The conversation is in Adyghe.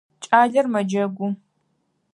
Кӏалэр мэджэгу.